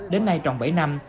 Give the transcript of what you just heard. đến nay tròn bảy năm